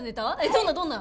どんなどんな？